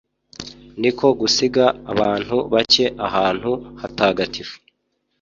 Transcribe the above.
ni ko gusiga abantu bake ahantu hatagatifu